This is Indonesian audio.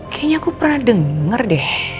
kayaknya aku pernah denger deh